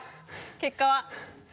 結果は。